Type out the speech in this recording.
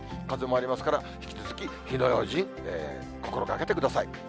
風もありますから、引き続き火の用心、心がけてください。